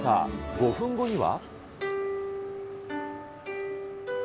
５分後には。